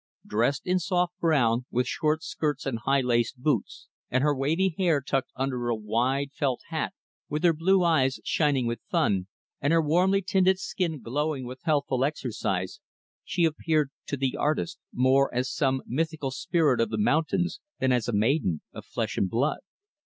Dressed in soft brown, with short skirts and high laced boots, and her wavy hair tucked under a wide, felt hat; with her blue eyes shining with fun, and her warmly tinted skin glowing with healthful exercise; she appeared to the artist more as some mythical spirit of the mountains, than as a maiden of flesh and blood.